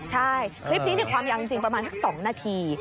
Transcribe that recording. ใช่คลิปนี้ความยาวจริงประมาณสัก๒นาที